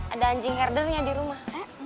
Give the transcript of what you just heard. ada anjing herdernya di rumah